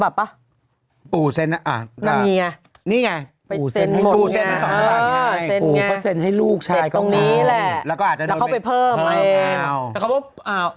แล้วปู่เซ็นทั้งสองฉบับเปล่า